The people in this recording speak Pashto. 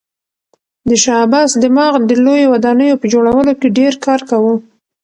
د شاه عباس دماغ د لویو ودانیو په جوړولو کې ډېر کار کاوه.